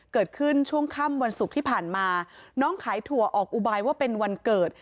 เกิดขึ้นช่วงค่ำวันศุกร์ที่ผ่านมาน้องขายถั่วออกอุบายว่าเป็นวันเกิด